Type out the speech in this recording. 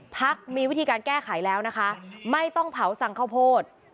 พักมีวิธีการแก้ไขแล้วนะคะไม่ต้องเผาสั่งข้าวโพด